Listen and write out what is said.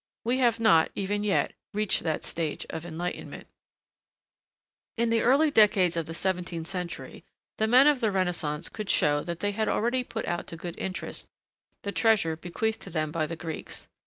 We have not, even yet, reached that stage of enlightenment. [Sidenote: Further advance after Renaissance.] In the early decades of the seventeenth century, the men of the Renaissance could show that they had already put out to good interest the treasure bequeathed to them by the Greeks.